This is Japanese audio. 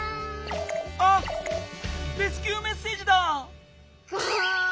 あレスキューメッセージだ！ガーン！